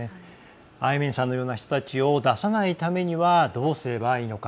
アイメンさんのような人たちを出さないためにはどうすればいいのか。